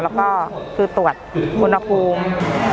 แล้วก็คือตรวจกลุ่มอภูมิ